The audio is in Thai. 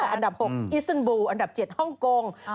อันดับ๖อิสนบูอันดับ๗ฮ่องกง